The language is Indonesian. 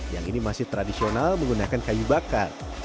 yang ini masih tradisional menggunakan kayu bakar